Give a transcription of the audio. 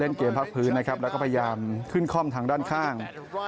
เกมพักพื้นนะครับแล้วก็พยายามขึ้นคล่อมทางด้านข้าง